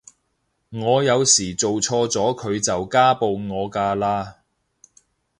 我有時做錯咗佢就家暴我㗎喇